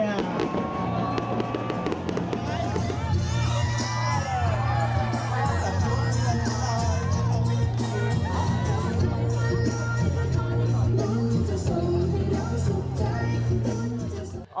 โอ้โฮ